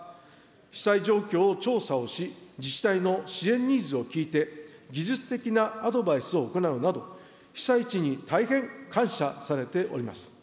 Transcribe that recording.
被災状況を調査をし、自治体の支援ニーズを聞いて、技術的なアドバイスを行うなど、被災地に大変感謝されております。